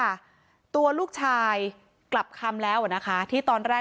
ทั้งลูกสาวลูกชายก็ไปทำพิธีจุดทูป